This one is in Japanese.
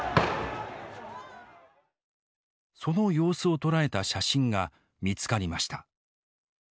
その様子を捉えた写真が見つかりました。